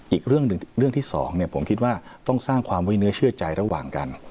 อีกเรื่องหนึ่งเรื่องที่สองผมคิดว่าต้องสร้างความไว้เนื้อเชื่อใจระหว่างกัน